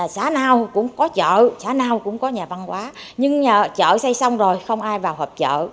xã nào cũng có chợ xã nào cũng có nhà văn quá nhưng nhờ chợ xây xong rồi không ai vào hợp chợ